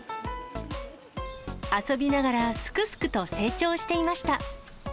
遊びながら、すくすくと成長していました。